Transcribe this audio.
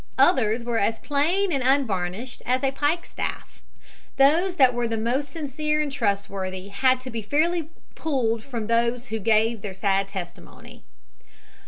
Others were as plain and unvarnished as a pike staff. Those that were most sincere and trustworthy had to be fairly pulled from those who gave their sad testimony.